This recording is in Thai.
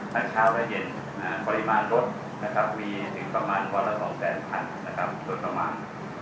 เช้าและเย็นปริมาณรถนะครับมีถึงประมาณวันละ๒๐๐คันนะครับโดยประมาณ